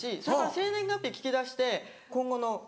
生年月日聞き出して今後の。